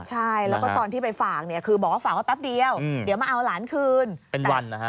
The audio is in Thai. ใช่แล้วก็ตอนที่ไปฝากเนี่ยคือบอกว่าฝากไว้แป๊บเดียวเดี๋ยวมาเอาหลานคืนเป็นวันนะฮะ